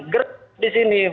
gerak di sini